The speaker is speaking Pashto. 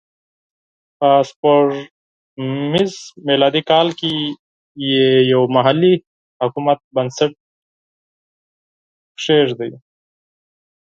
په سپوږمیز میلادي کال کې یې یو محلي حکومت بنسټ کېښود.